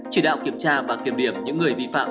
chỉ đạo kiểm tra và kiểm điểm những người vi phạm